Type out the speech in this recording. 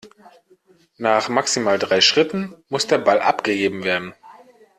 Nach maximal drei Schritten muss der Ball abgegeben werden.